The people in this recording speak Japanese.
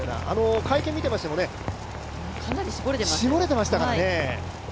会見を見ていましても、かなり絞れてましたからね。